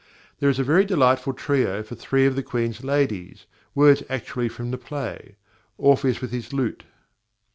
There is a very delightful trio for three of the Queen's ladies (words actually from the play): "Orpheus with his lute."